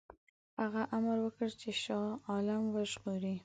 هغه امر وکړ چې شاه عالم وژغوري.